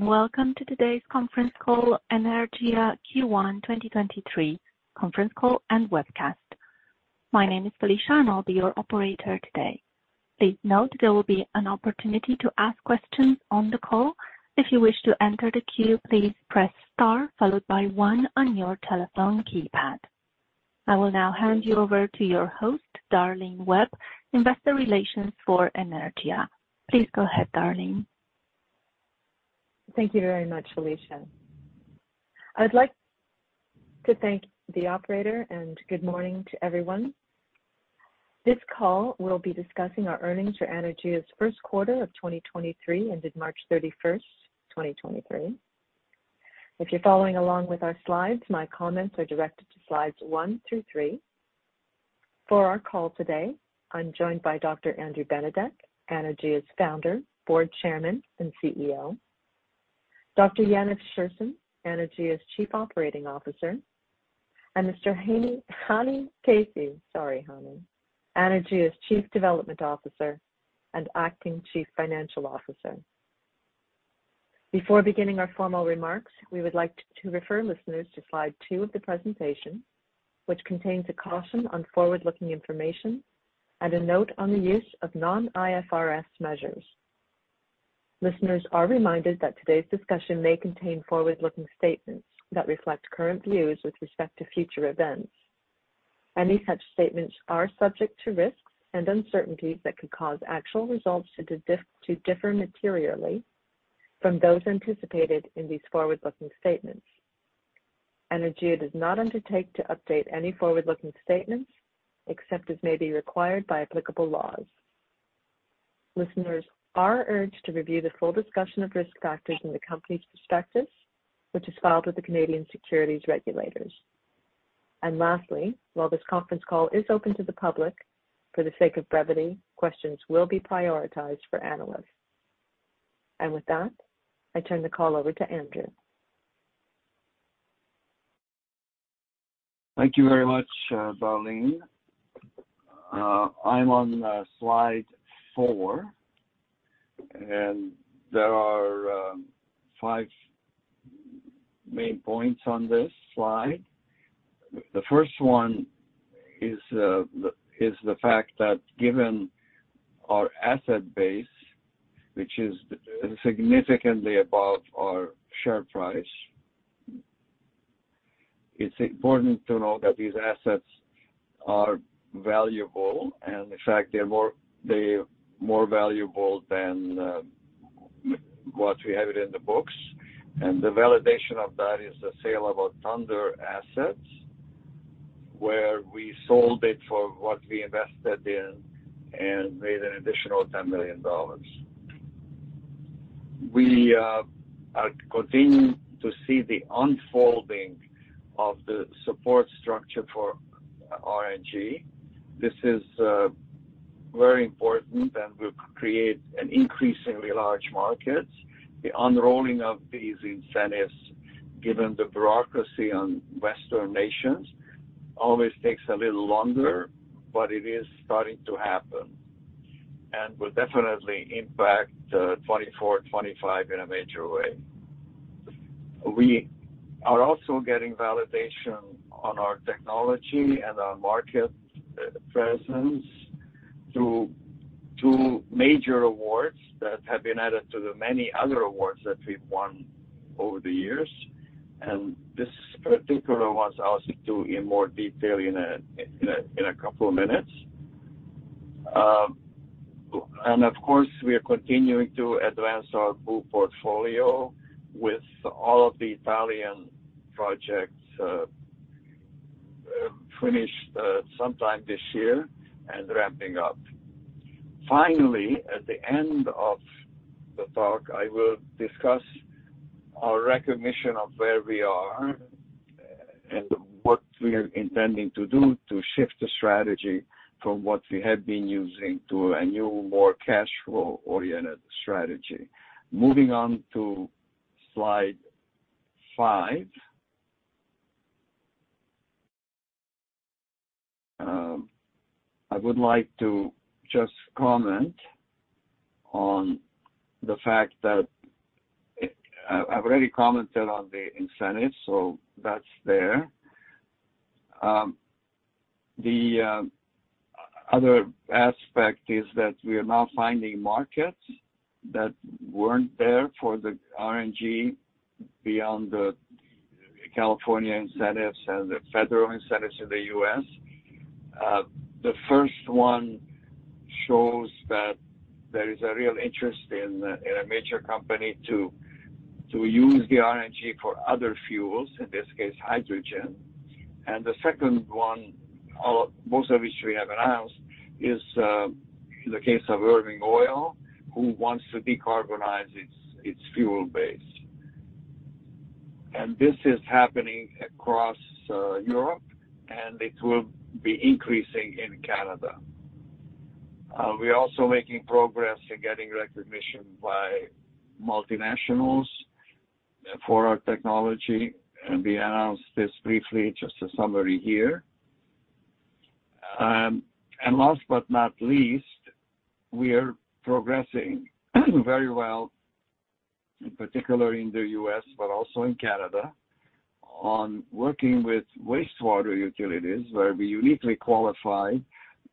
Welcome to today's conference call, Anaergia Q1 2023 conference call and webcast. My name is Felicia, and I'll be your operator today. Please note there will be an opportunity to ask questions on the call. If you wish to enter the queue, please press star followed by one on your telephone keypad. I will now hand you over to your host, Darlene Webb, Investor Relations for Anaergia. Please go ahead, Darlene. Thank you very much, Felicia. I'd like to thank the operator and good morning to everyone. This call will be discussing our earnings for Anaergia's first quarter of 2023, ended March 31st, 2023. If you're following along with our slides, my comments are directed to slides 1 through 3. For our call today, I'm joined by Dr. Andrew Benedek, Anaergia's Founder, Board Chairman, and CEO. Dr. Yaniv Scherson, Anaergia's Chief Operating Officer, and Mr. Hani Kaissi... Sorry, Hani. Anaergia's Chief Development Officer and Acting Chief Financial Officer. Before beginning our formal remarks, we would like to refer listeners to slide 2 of the presentation, which contains a caution on forward-looking information and a note on the use of non-IFRS measures. Listeners are reminded that today's discussion may contain forward-looking statements that reflect current views with respect to future events. Any such statements are subject to risks and uncertainties that could cause actual results to differ materially from those anticipated in these forward-looking statements. Anaergia does not undertake to update any forward-looking statements except as may be required by applicable laws. Listeners are urged to review the full discussion of risk factors in the company's prospectus, which is filed with the Canadian Securities Administrators. Lastly, while this conference call is open to the public, for the sake of brevity, questions will be prioritized for analysts. With that, I turn the call over to Andrew. Thank you very much, Darlene. I'm on slide 4, and there are 5 main points on this slide. The first one is the fact that given our asset base, which is significantly above our share price, it's important to know that these assets are valuable, in fact, they're more valuable than what we have it in the books. The validation of that is the sale of our Tønder assets, where we sold it for what we invested in and made an additional $10 million. We are continuing to see the unfolding of the support structure for RNG. This is very important and will create an increasingly large market. The unrolling of these incentives, given the bureaucracy on Western nations, always takes a little longer, but it is starting to happen and will definitely impact, 2024, 2025 in a major way. We are also getting validation on our technology and our market, presence through two major awards that have been added to the many other awards that we've won over the years. These particular ones I'll speak to in more detail in a couple of minutes. Of course, we are continuing to advance our full portfolio with all of the Italian projects, finished, sometime this year and ramping up. At the end of the talk, I will discuss our recognition of where we are and what we are intending to do to shift the strategy from what we have been using to a new, more cash flow-oriented strategy. Moving on to slide 5. I would like to just comment on the fact that I've already commented on the incentives, so that's there. The other aspect is that we are now finding markets that weren't there for the RNG beyond the California incentives and the federal incentives in the U.S. The first one shows that there is a real interest in a major company to use the RNG for other fuels, in this case, hydrogen. The second one, most of which we have announced, is the case of Irving Oil, who wants to decarbonize its fuel base. This is happening across Europe, and it will be increasing in Canada. We are also making progress in getting recognition by multinationals for our technology, and we announced this briefly, just a summary here. Last but not least, we are progressing very well, in particular in the U.S., but also in Canada, on working with wastewater utilities where we uniquely qualify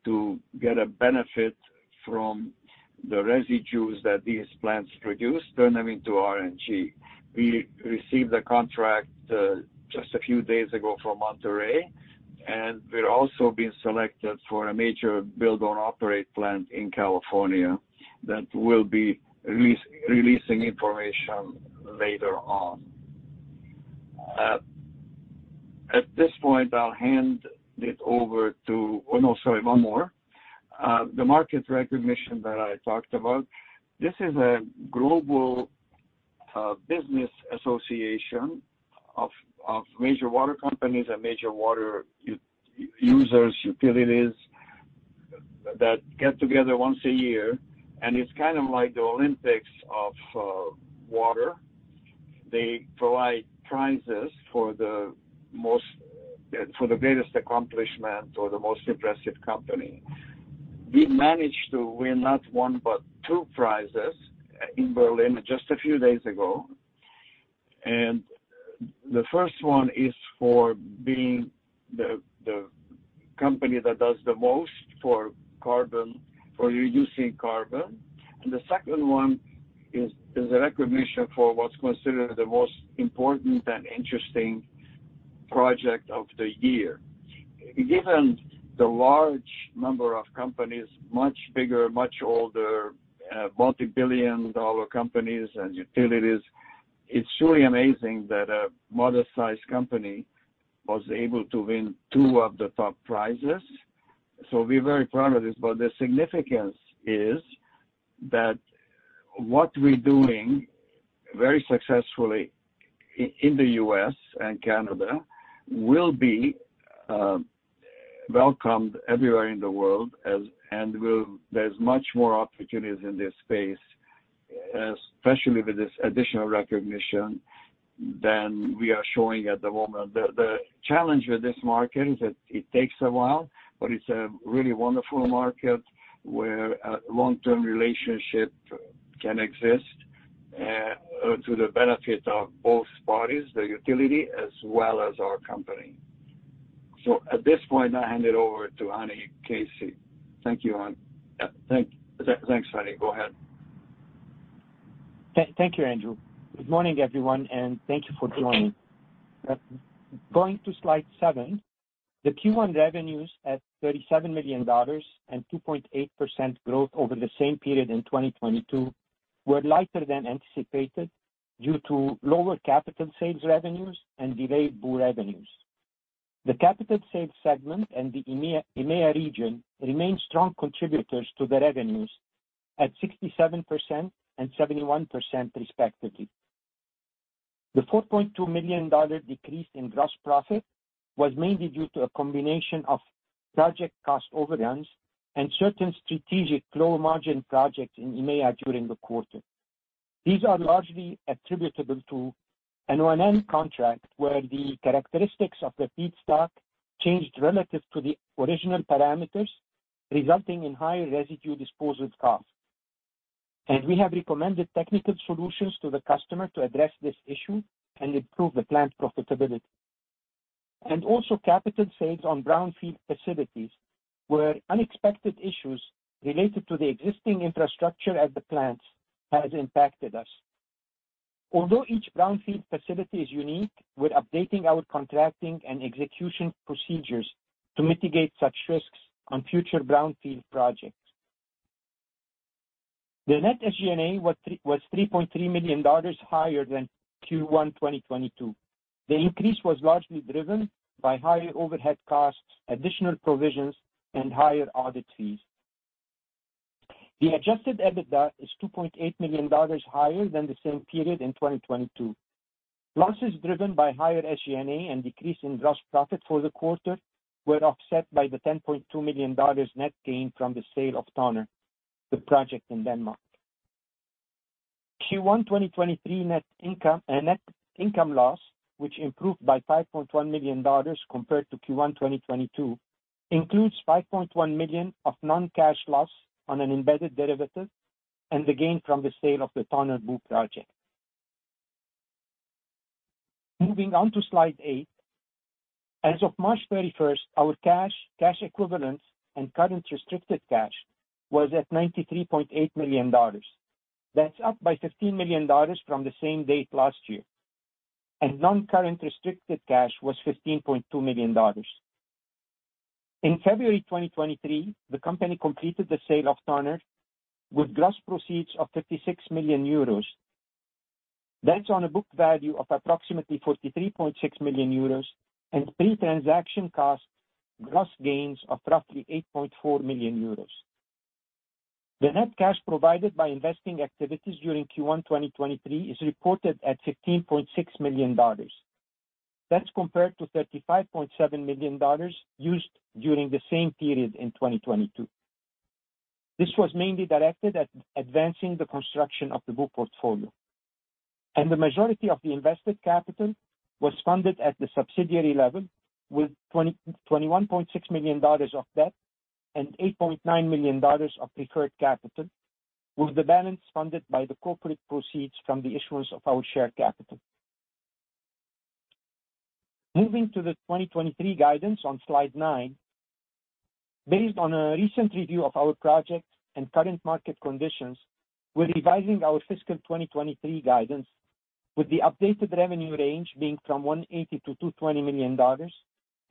to get a benefit from the residues that these plants produce, turn them into RNG. We received a contract just a few days ago from Monterey, and we're also being selected for a major build-own-operate plant in California that we'll be releasing information later on. At this point I'll hand it over to... Oh, no, sorry, one more. The market recognition that I talked about. This is a global business association of major water companies and major water users, utilities that get together once a year, and it's kind of like the Olympics of water. They provide prizes for the most for the greatest accomplishment or the most impressive company. We managed to win not 1 but 2 prizes in Berlin just a few days ago. The first one is for being the company that does the most for carbon, for reducing carbon. The second one is a recognition for what's considered the most important and interesting project of the year. Given the large number of companies, much bigger, much older, multi-billion dollar companies and utilities, it's truly amazing that a moderate-sized company was able to win 2 of the top prizes. We're very proud of this. The significance is that what we're doing very successfully in the U.S. and Canada will be welcomed everywhere in the world. There's much more opportunities in this space, especially with this additional recognition than we are showing at the moment. The challenge with this market is that it takes a while, but it's a really wonderful market where a long-term relationship can exist to the benefit of both parties, the utility as well as our company. At this point, I hand it over to Hani Kaissi. Thank you, Hani. Thanks, Hani. Go ahead. Thank you, Andrew. Good morning, everyone, thank you for joining. Going to slide 7. The Q1 revenues at $37 million and 2.8% growth over the same period in 2022 were lighter than anticipated due to lower capital sales revenues and delayed BOO revenues. The capital sales segment in the EMEA region remained strong contributors to the revenues at 67% and 71% respectively. The $4.2 million decrease in gross profit was mainly due to a combination of project cost overruns and certain strategic low-margin projects in EMEA during the quarter. These are largely attributable to an O&M contract where the characteristics of the feedstock changed relative to the original parameters, resulting in higher residue disposal costs. We have recommended technical solutions to the customer to address this issue and improve the plant profitability. Also capital sales on brownfield facilities, where unexpected issues related to the existing infrastructure at the plants has impacted us. Although each brownfield facility is unique, we're updating our contracting and execution procedures to mitigate such risks on future brownfield projects. The net SG&A was $3.3 million higher than Q1 2022. The increase was largely driven by higher overhead costs, additional provisions, and higher audit fees. The Adjusted EBITDA is $2.8 million higher than the same period in 2022. Losses driven by higher SG&A and decrease in gross profit for the quarter were offset by the $10.2 million net gain from the sale of Tønder, the project in Denmark. Q1, 2023 net income loss, which improved by $5.1 million compared to Q1, 2022, includes $5.1 million of non-cash loss on an embedded derivative and the gain from the sale of the Tønder BOO project. Moving on to slide eight. As of March 31st, our cash equivalents, and current restricted cash was at $93.8 million. That's up by $15 million from the same date last year. Non-current restricted cash was $15.2 million. In February 2023, the company completed the sale of Tønder with gross proceeds of 56 million euros. That's on a book value of approximately 43.6 million euros and pre-transaction costs gross gains of roughly 8.4 million euros. The net cash provided by investing activities during Q1, 2023, is reported at $15.6 million. That's compared to $35.7 million used during the same period in 2022. This was mainly directed at advancing the construction of the BOO portfolio. The majority of the invested capital was funded at the subsidiary level with $21.6 million of debt and $8.9 million of preferred capital, with the balance funded by the corporate proceeds from the issuance of our share capital. Moving to the 2023 guidance on slide 9. Based on a recent review of our projects and current market conditions, we're revising our fiscal 2023 guidance with the updated revenue range being from $180 million-$220 million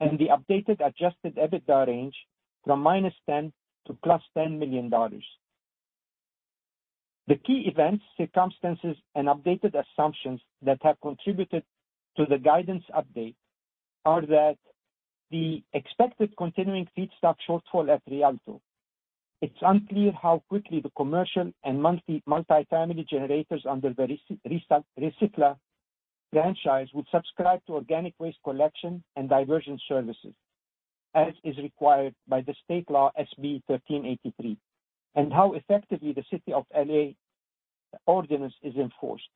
and the updated Adjusted EBITDA range from -$10 million to +$10 million. The key events, circumstances, and updated assumptions that have contributed to the guidance update are that the expected continuing feedstock shortfall at Rialto. It's unclear how quickly the commercial and multifamily generators under the Recology franchise would subscribe to organic waste collection and diversion services, as is required by the state law SB 1383, and how effectively the City of L.A. ordinance is enforced.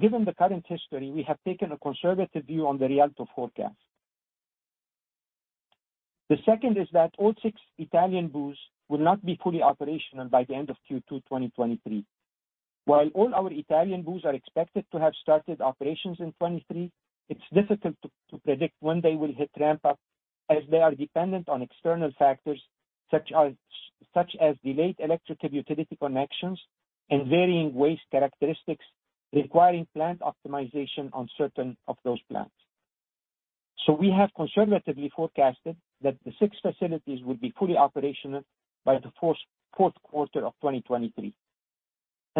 Given the current history, we have taken a conservative view on the Rialto forecast. The second is that all 6 Italian BOOs will not be fully operational by the end of Q2 2023. While all our Italian BOOs are expected to have started operations in 2023, it's difficult to predict when they will hit ramp-up as they are dependent on external factors such as delayed electric utility connections and varying waste characteristics requiring plant optimization on certain of those plants. We have conservatively forecasted that the six facilities will be fully operational by the fourth quarter of 2023.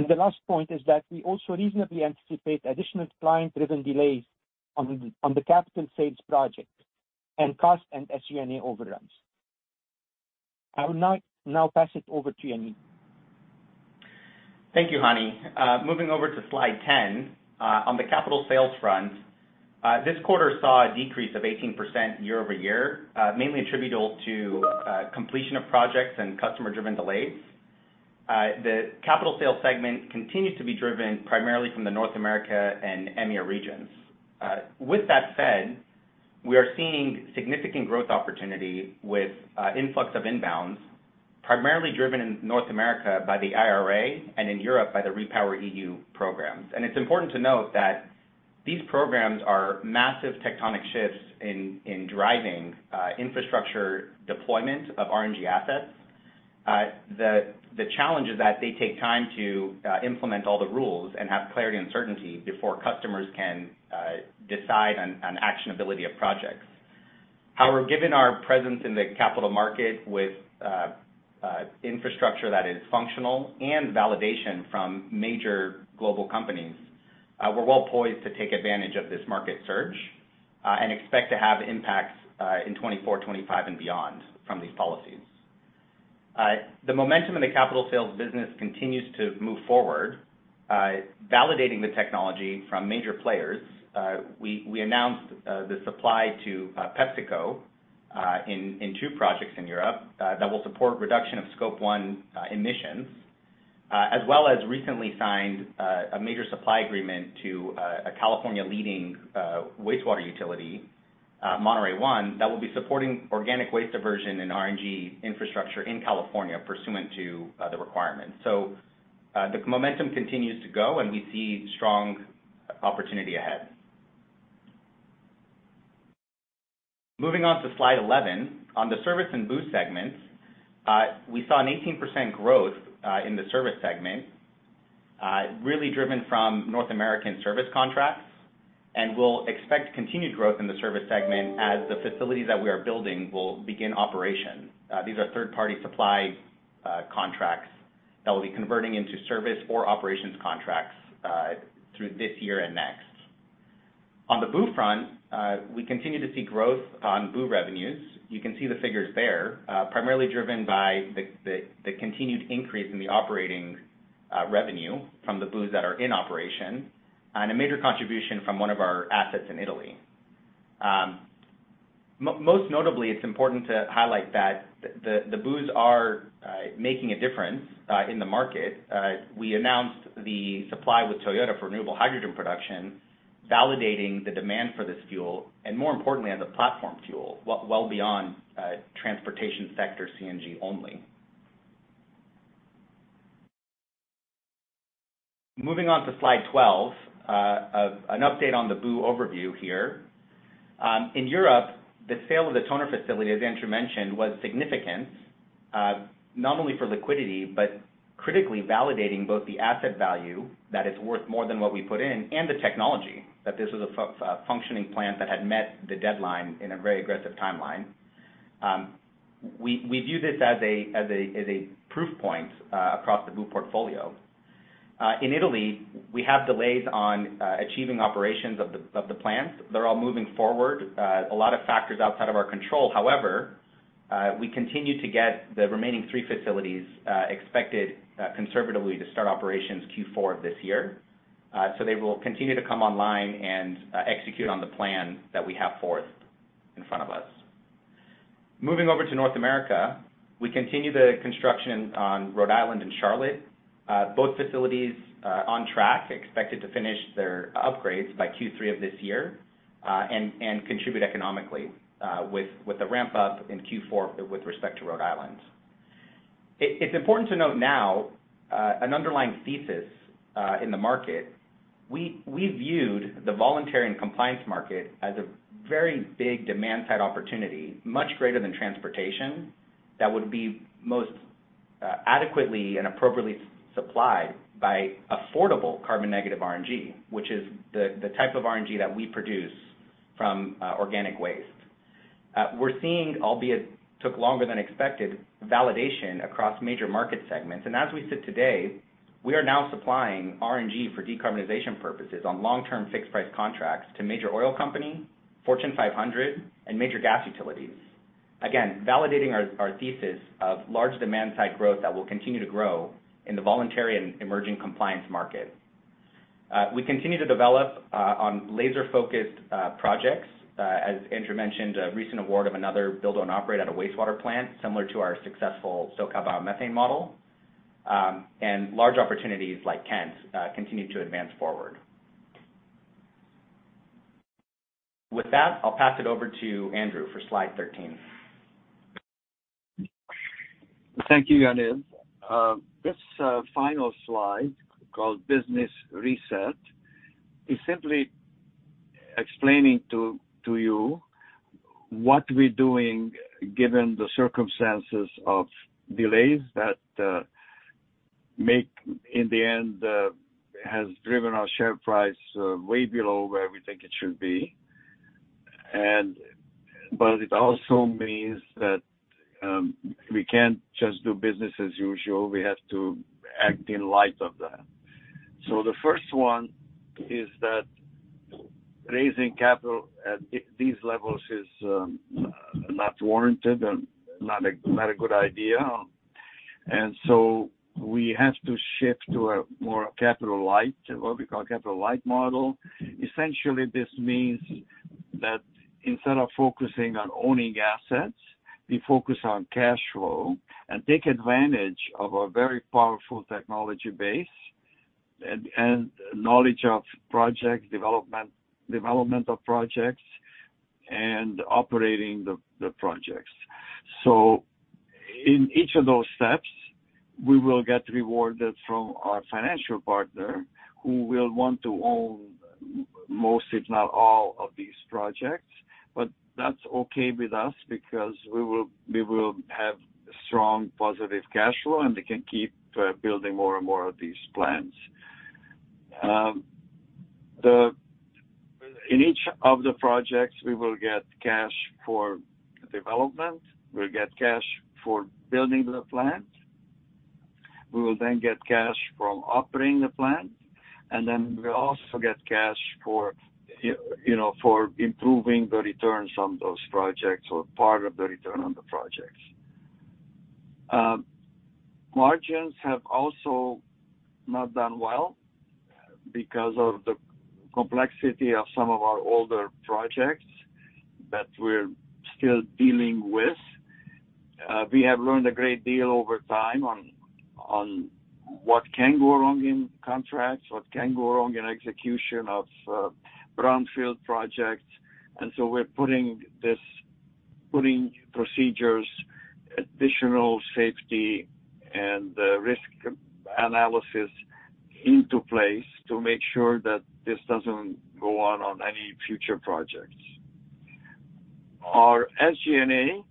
The last point is that we also reasonably anticipate additional client-driven delays on the capital sales project and cost and SG&A overruns. I will now pass it over to Yanni. Thank you, Hani. Moving over to slide 10. On the capital sales front, this quarter saw a decrease of 18% year-over-year, mainly attributable to completion of projects and customer-driven delays. The capital sales segment continues to be driven primarily from the North America and EMEA regions. With that said, we are seeing significant growth opportunity with influx of inbounds, primarily driven in North America by the IRA and in Europe by the REPowerEU programs. It's important to note that these programs are massive tectonic shifts in driving infrastructure deployment of RNG assets. The challenge is that they take time to implement all the rules and have clarity and certainty before customers can decide on actionability of projects. However, given our presence in the capital market with a infrastructure that is functional and validation from major global companies, we're well poised to take advantage of this market surge, and expect to have impacts in 2024, 2025 and beyond from these policies. The momentum in the capital sales business continues to move forward, validating the technology from major players. We announced the supply to PepsiCo in two projects in Europe that will support reduction of Scope 1 emissions, as well as recently signed a major supply agreement to a California leading wastewater utility, Monterey One, that will be supporting organic waste diversion and RNG infrastructure in California pursuant to the requirements. The momentum continues to go, and we see strong opportunity ahead. Moving on to slide 11. On the service and BOO segments, we saw an 18% growth in the service segment, really driven from North American service contracts. We'll expect continued growth in the service segment as the facilities that we are building will begin operation. These are third-party supply contracts that will be converting into service or operations contracts through this year and next. On the BOO front, we continue to see growth on BOO revenues. You can see the figures there, primarily driven by the continued increase in the operating revenue from the BOOs that are in operation and a major contribution from one of our assets in Italy. Most notably, it's important to highlight that the BOOs are making a difference in the market. We announced the supply with Toyota for renewable hydrogen production, validating the demand for this fuel, and more importantly, as a platform fuel, well beyond transportation sector CNG only. Moving on to slide 12, an update on the BOO overview here. In Europe, the sale of the Tønder facility, as Andrew mentioned, was significant, not only for liquidity, but critically validating both the asset value that is worth more than what we put in and the technology that this was a functioning plant that had met the deadline in a very aggressive timeline. We view this as a proof point across the BOO portfolio. In Italy, we have delays on achieving operations of the plants. They're all moving forward. A lot of factors outside of our control. We continue to get the remaining three facilities, expected conservatively to start operations Q4 of this year. They will continue to come online and execute on the plan that we have forth in front of us. Moving over to North America, we continue the construction on Rhode Island and Charlotte. Both facilities on track, expected to finish their upgrades by Q3 of this year, and contribute economically with a ramp up in Q4 with respect to Rhode Island. It's important to note now an underlying thesis in the market. We viewed the voluntary and compliance market as a very big demand-side opportunity, much greater than transportation, that would be most adequately and appropriately supplied by affordable carbon negative RNG, which is the type of RNG that we produce from organic waste. We're seeing, albeit took longer than expected, validation across major market segments. As we sit today, we are now supplying RNG for decarbonization purposes on long-term fixed-price contracts to major oil company, Fortune 500 and major gas utilities. Again, validating our thesis of large demand-side growth that will continue to grow in the voluntary and emerging compliance market. We continue to develop on laser-focused projects. As Andrew mentioned, a recent award of another build-own-operate at a wastewater plant similar to our successful SoCal methane model. Large opportunities like Kent continue to advance forward. With that, I'll pass it over to Andrew for slide 13. Thank you, Yaniv. This final slide called Business Reset is simply explaining to you what we're doing given the circumstances of delays that make in the end has driven our share price way below where we think it should be. It also means that we can't just do business as usual. We have to act in light of that. The first one is that raising capital at these levels is not warranted and not a good idea. We have to shift to a more capital-light, what we call capital-light model. Essentially, this means that instead of focusing on owning assets, we focus on cash flow and take advantage of our very powerful technology base and knowledge of project development of projects, and operating the projects. In each of those steps, we will get rewarded from our financial partner, who will want to own most, if not all, of these projects. That's okay with us because we will have strong positive cash flow, and they can keep building more and more of these plans. In each of the projects, we will get cash for development. We'll get cash for building the plant. We will then get cash from operating the plant, and then we'll also get cash for, you know, for improving the returns on those projects or part of the return on the projects. Margins have also not done well because of the complexity of some of our older projects that we're still dealing with. We have learned a great deal over time on what can go wrong in contracts, what can go wrong in execution of brownfield projects. We're putting procedures, additional safety and risk analysis into place to make sure that this doesn't go on any future projects. Our SG&A,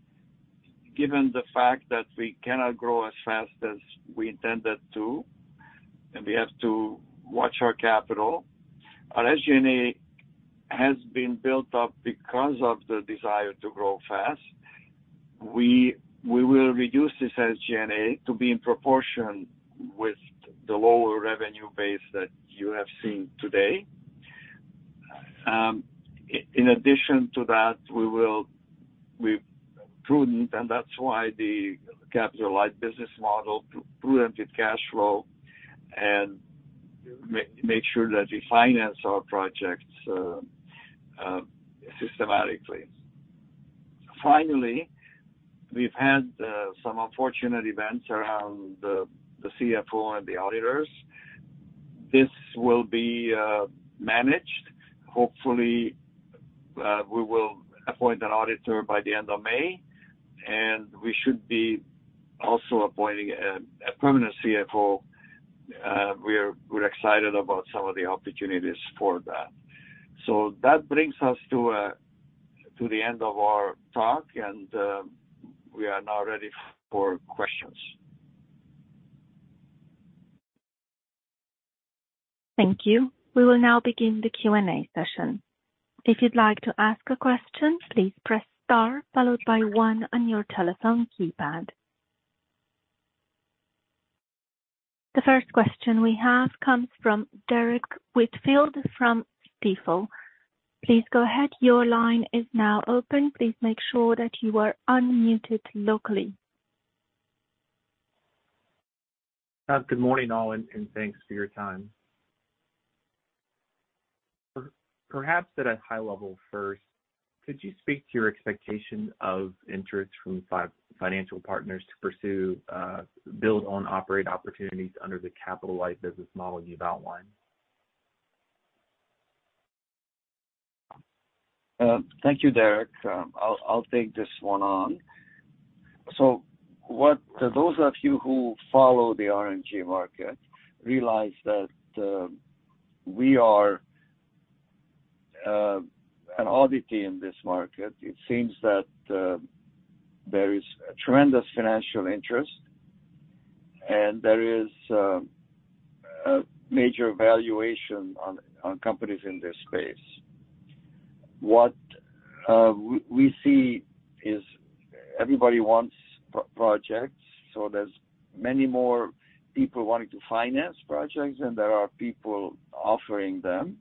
given the fact that we cannot grow as fast as we intended to, and we have to watch our capital. Our SG&A has been built up because of the desire to grow fast. We will reduce this SG&A to be in proportion with the lower revenue base that you have seen today. In addition to that, we will be prudent, and that's why the capital-light business model, prudent with cash flow, and make sure that we finance our projects systematically. Finally, we've had some unfortunate events around the CFO and the auditors. This will be managed. Hopefully, we will appoint an auditor by the end of May, and we should be also appointing a permanent CFO. We're excited about some of the opportunities for that. That brings us to the end of our talk and we are now ready for questions. Thank you. We will now begin the Q&A session. If you'd like to ask a question, please press star followed by one on your telephone keypad. The first question we have comes from Derrick Whitfield from Stifel. Please go ahead. Your line is now open. Please make sure that you are unmuted locally. Good morning, all, and thanks for your time. Perhaps at a high level first, could you speak to your expectation of interest from financial partners to pursue build own operate opportunities under the capitalized business model you've outlined? Thank you, Derek. I'll take this one on. What those of you who follow the RNG market realize that we are an oddity in this market. It seems that there is a tremendous financial interest, and there is a major valuation on companies in this space. What we see is everybody wants projects. There's many more people wanting to finance projects than there are people offering them.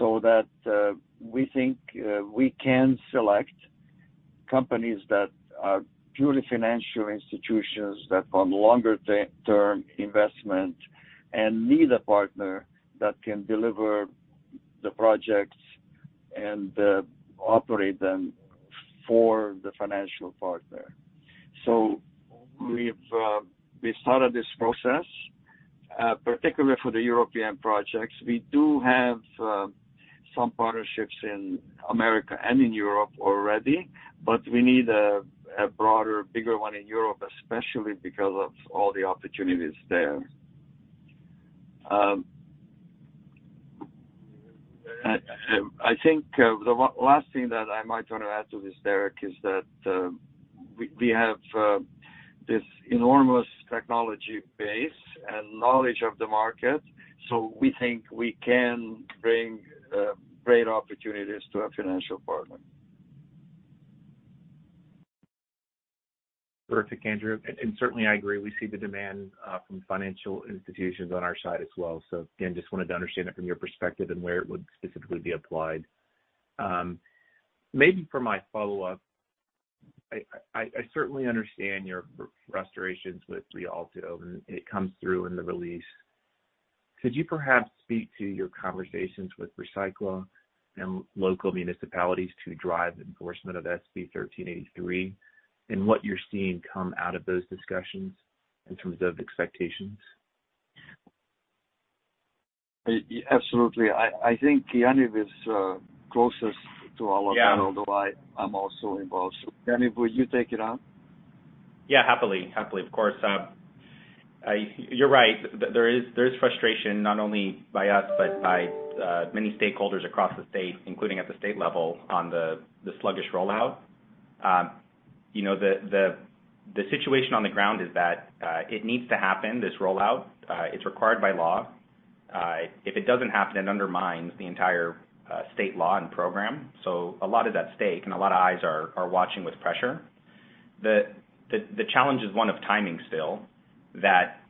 That we think we can select companies that are purely financial institutions that want longer-term investment and need a partner that can deliver the projects and operate them for the financial partner. We've started this process particularly for the European projects. We do have some partnerships in America and in Europe already. We need a broader, bigger one in Europe, especially because of all the opportunities there. I think the last thing that I might wanna add to this, Derrick, is that we have this enormous technology base and knowledge of the market. We think we can bring great opportunities to a financial partner. Perfect, Andrew. Certainly I agree, we see the demand from financial institutions on our side as well. Again, just wanted to understand that from your perspective and where it would specifically be applied. Maybe for my follow-up, I certainly understand your frustrations with Rialto, and it comes through in the release. Could you perhaps speak to your conversations with Recology and local municipalities to drive enforcement of SB 1383 and what you're seeing come out of those discussions in terms of expectations? absolutely. I think Yaniv is closest to all of that. Yeah. although I am also involved. Yaniv, will you take it on? Yeah, happily. Happily, of course. You're right. There is frustration not only by us but by many stakeholders across the state, including at the state level, on the sluggish rollout. You know, the situation on the ground is that it needs to happen, this rollout. It's required by law. If it doesn't happen, it undermines the entire state law and program. A lot is at stake, and a lot of eyes are watching with pressure. The challenge is one of timing still, that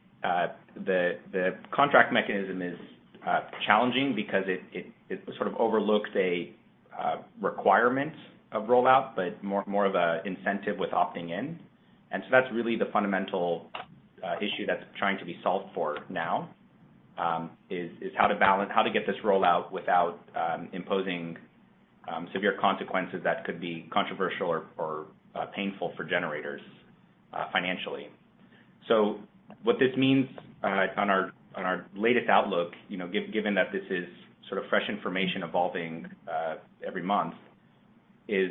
the contract mechanism is challenging because it sort of overlooks a requirement of rollout, but more of an incentive with opting in. That's really the fundamental issue that's trying to be solved for now, is how to get this rollout without imposing severe consequences that could be controversial or painful for generators financially. What this means on our latest outlook, you know, given that this is sort of fresh information evolving every month, is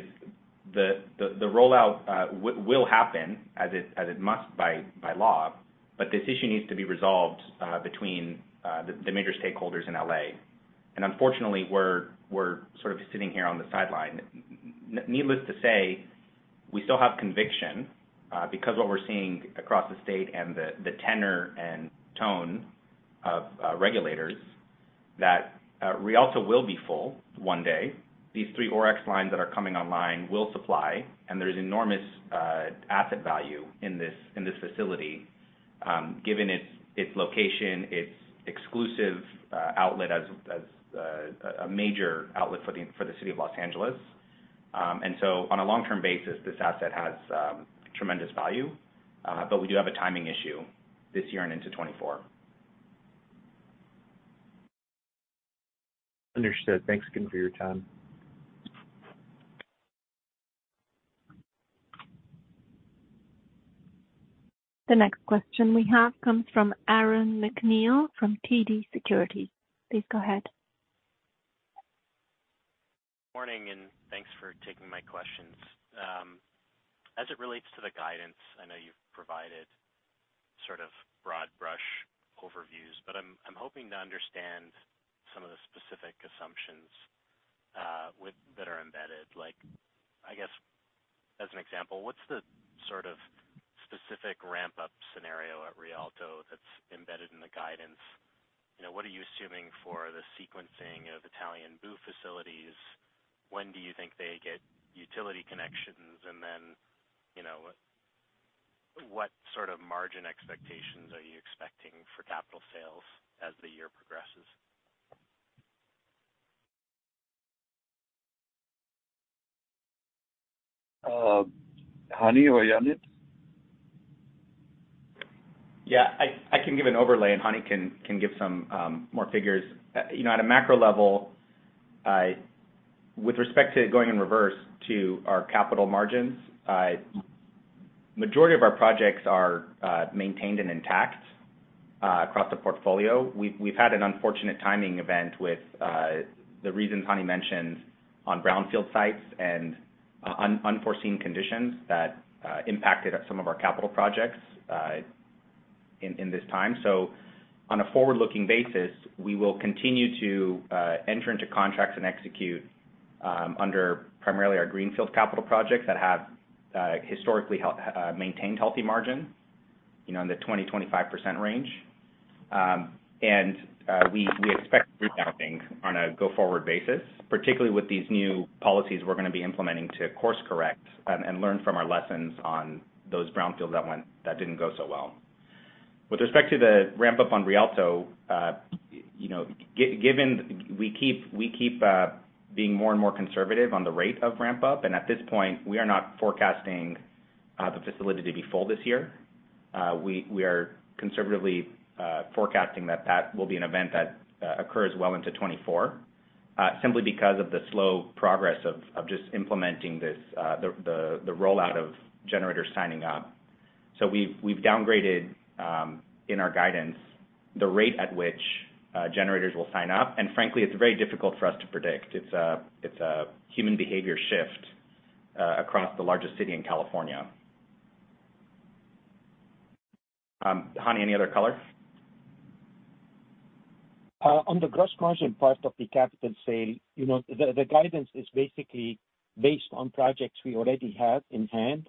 the rollout will happen as it must by law, but this issue needs to be resolved between the major stakeholders in L.A. Unfortunately, we're sort of sitting here on the sideline. Needless to say, we still have conviction because what we're seeing across the state and the tenor and tone of regulators that Rialto will be full one day. These three OREX lines that are coming online will supply, and there's enormous asset value in this facility, given its location, its exclusive outlet as a major outlet for the city of Los Angeles. On a long-term basis, this asset has tremendous value. We do have a timing issue this year and into 2024. Understood. Thanks again for your time. The next question we have comes from Aaron MacNeil from TD Securities. Please go ahead. Morning. Thanks for taking my questions. As it relates to the guidance, I know you've provided sort of broad brush overviews, but I'm hoping to understand some of the specific assumptions that are embedded. Like, I guess as an example, what's the sort of specific ramp-up scenario at Rialto that's embedded in the guidance? You know, what are you assuming for the sequencing of Italian boot facilities? When do you think they get utility connections? What sort of margin expectations are you expecting for capital sales as the year progresses? Hani or Yaniv? Yeah, I can give an overlay and Hany can give some more figures. You know, at a macro level, with respect to going in reverse to our capital margins, majority of our projects are maintained and intact across the portfolio. We've had an unfortunate timing event with the reasons Hany mentioned on brownfield sites and unforeseen conditions that impacted at some of our capital projects in this time. On a forward-looking basis, we will continue to enter into contracts and execute under primarily our greenfield capital projects that have historically maintained healthy margin, you know, in the 20%-25% range. We expect recounting on a go-forward basis, particularly with these new policies we're gonna be implementing to course correct and learn from our lessons on those brownfield that didn't go so well. With respect to the ramp-up on Rialto, you know, given we keep being more and more conservative on the rate of ramp up, and at this point, we are not forecasting the facility to be full this year. We are conservatively forecasting that that will be an event that occurs well into 2024, simply because of the slow progress of just implementing this, the rollout of generators signing up. We've downgraded in our guidance the rate at which generators will sign up. Frankly, it's very difficult for us to predict. It's a, it's a human behavior shift, across the largest city in California. Hani, any other color? On the gross margin part of the capital sale, you know, the guidance is basically based on projects we already have in hand.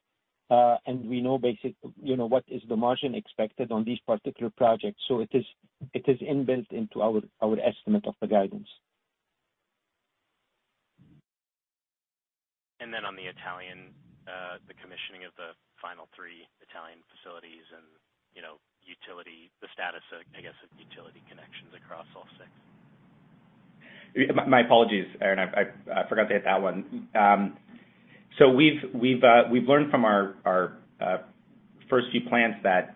We know, you know, what is the margin expected on these particular projects. It is inbuilt into our estimate of the guidance. On the Italian, the commissioning of the final 3 Italian facilities and, you know, utility, the status of, I guess, of utility connections across all 6. My apologies, Aaron. I forgot to hit that one. We've learned from our first few plants that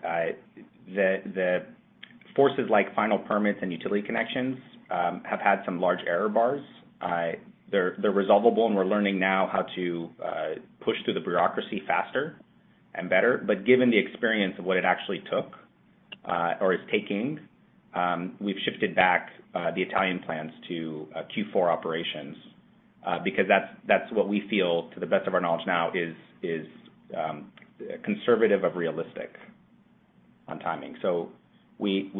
forces like final permits and utility connections have had some large error bars. They're resolvable, and we're learning now how to push through the bureaucracy faster and better. Given the experience of what it actually took or is taking, we've shifted back the Italian plans to Q4 operations. That's what we feel, to the best of our knowledge now is conservative of realistic on timing. We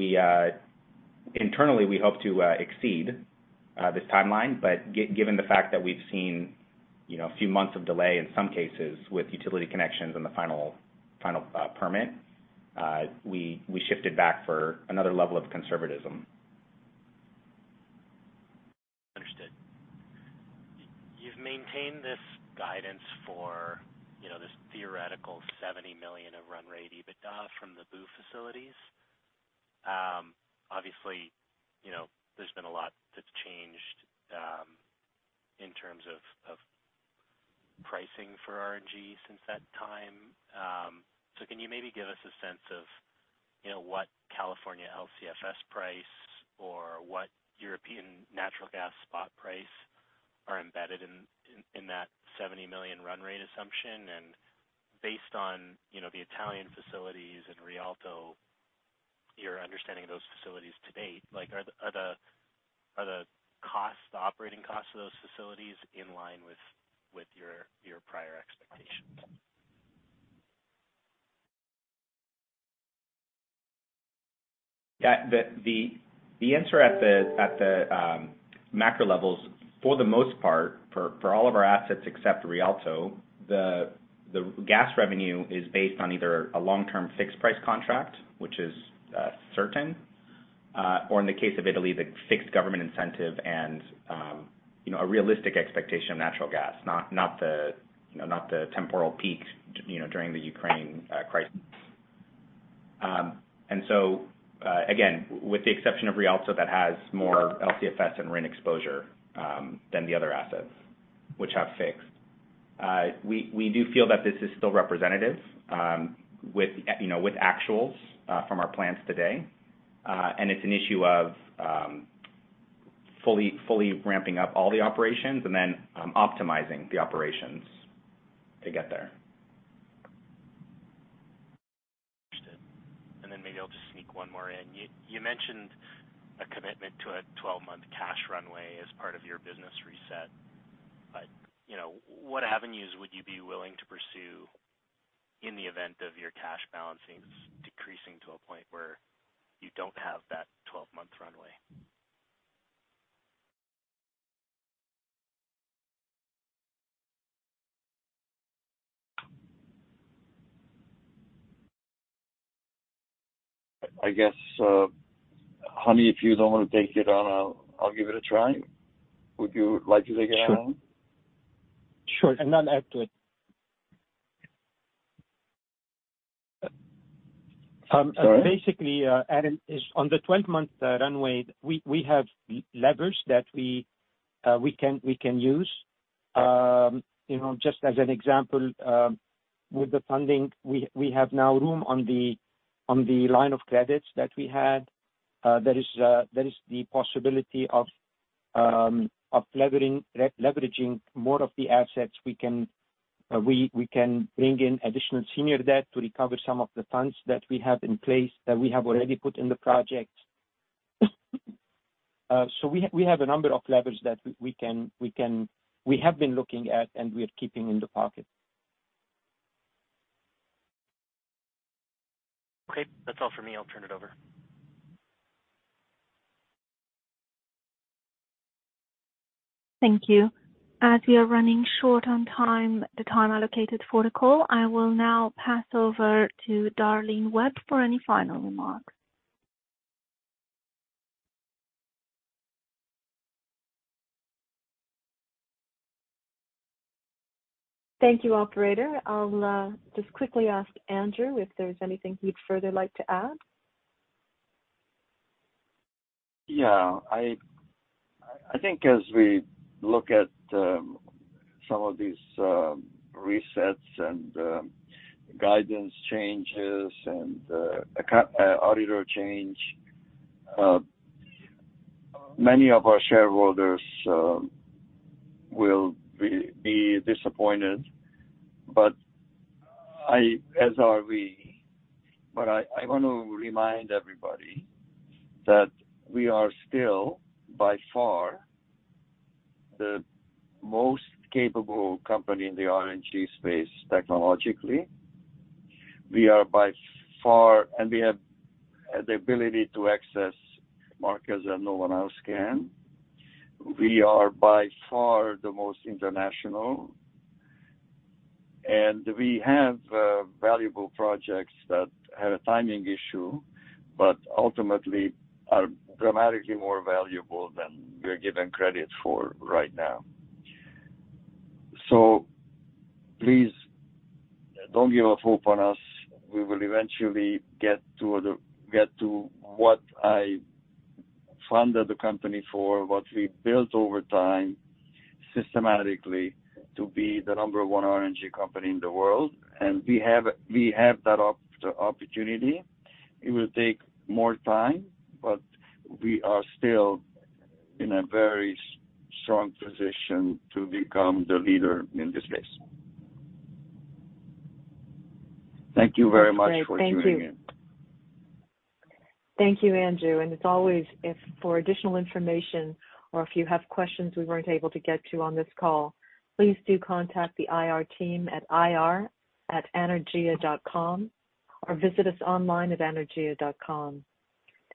internally, we hope to exceed this timeline, but given the fact that we've seen, you know, a few months of delay in some cases with utility connections and the final permit, we shifted back for another level of conservatism. Understood. You've maintained this guidance for, you know, this theoretical 70 million of run rate EBITDA from the BOO facilities. Obviously, you know, there's been a lot that's changed in terms of pricing for RNG since that time. Can you maybe give us a sense of, you know, what California LCFS price or what European natural gas spot price are embedded in that 70 million run rate assumption? Based on, you know, the Italian facilities and Rialto, your understanding of those facilities to date, like, are the operating costs of those facilities in line with your prior expectations? The answer at the macro levels, for the most part, for all of our assets except Rialto, the gas revenue is based on either a long-term fixed price contract, which is certain, or in the case of Italy, the fixed government incentive and, you know, a realistic expectation of natural gas, not the, you know, not the temporal peak, you know, during the Ukraine crisis. Again, with the exception of Rialto that has more LCFS and RIN exposure than the other assets which have fixed. We do feel that this is still representative, with, you know, with actuals from our plans today. It's an issue of fully ramping up all the operations and then optimizing the operations to get there. Understood. Then maybe I'll just sneak one more in. You mentioned a commitment to a 12-month cash runway as part of your business reset. You know, what avenues would you be willing to pursue in the event of your cash balances decreasing to a point where you don't have that 12-month runway? I guess, Hany, if you don't want to take it on, I'll give it a try. Would you like to take it on? Sure. Sure. Then add to it. Basically, Aaron, is on the 12-month runway, we have levers that we can use. You know, just as an example, with the funding, we have now room on the line of credits that we had. There is the possibility of leveraging more of the assets. We can bring in additional senior debt to recover some of the funds that we have in place that we have already put in the project. We have a number of levers that we have been looking at and we are keeping in the pocket. Okay. That's all for me. I'll turn it over. Thank you. As we are running short on time, the time allocated for the call, I will now pass over to Darlene Webb for any final remarks. Thank you, operator. I'll just quickly ask Andrew if there's anything he'd further like to add. Yeah. I think as we look at some of these resets and guidance changes and auditor change, many of our shareholders will be disappointed, as are we. I wanna remind everybody that we are still, by far, the most capable company in the RNG space technologically. We are by far and we have the ability to access markets that no one else can. We are by far the most international. We have valuable projects that had a timing issue, but ultimately are dramatically more valuable than we're given credit for right now. Please don't give up hope on us. We will eventually get to what I founded the company for. What we built over time systematically to be the number one RNG company in the world. We have that opportunity. It will take more time, but we are still in a very strong position to become the leader in this space. Thank you very much for tuning in. Thank you. Thank you, Andrew. As always, if for additional information or if you have questions we weren't able to get to on this call, please do contact the IR team at ir@anaergia.com or visit us online at anaergia.com.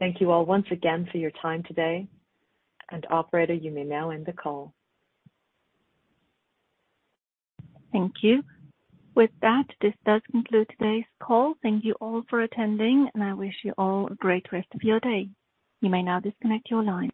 Thank you all once again for your time today. Operator, you may now end the call. Thank you. With that, this does conclude today's call. Thank you all for attending, and I wish you all a great rest of your day. You may now disconnect your line.